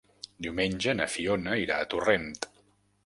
Diumenge na Fiona irà a Torrent.